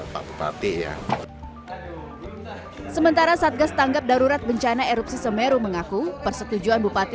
bapak pati yang sementara satgas tanggap darurat bencana erupsi semeru mengaku persetujuan bupati